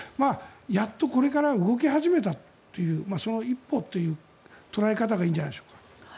やっとこれから動き始めたというその一歩という捉え方がいいんじゃないでしょうか。